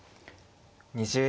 ２０秒。